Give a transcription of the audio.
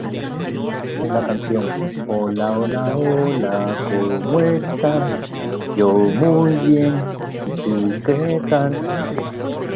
Como recompensa a su apoyo, recibió el condado de Dreux.